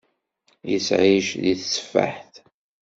Yettεic deg teteffaḥt.